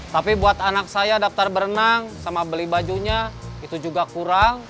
tapi buat anak saya daftar berenang sama beli bajunya itu juga kurang